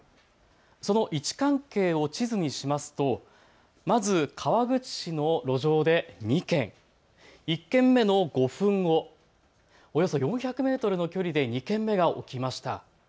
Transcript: その位置関係を地図にしますとまず川口市の路上で２件、１件目の５分後、およそ４００メートルの距離で２件目が起きました。